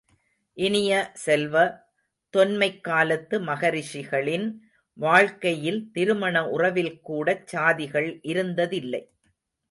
இனிய செல்வ, தொன்மைக் காலத்து மகரிஷிகளின் வாழ்க்கையில் திருமண உறவில் கூடச் சாதிகள் இருந்ததில்லை.